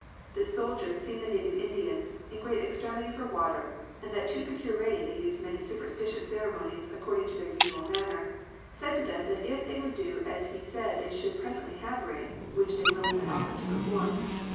This soldier, seeing the native Indians " In a great extremity for water, and that to procure rain they used many superstitious ceremonies, according to their usual manner," said to them that if they would do as he said they toad presently have rain, which they willinely offered to perform.